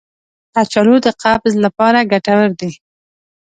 کچالو د قبض لپاره ګټور دی.